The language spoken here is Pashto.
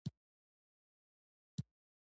رومیان له سابه سره ګډ سوپ جوړوي